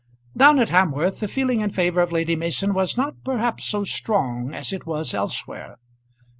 Down at Hamworth the feeling in favour of Lady Mason was not perhaps so strong as it was elsewhere.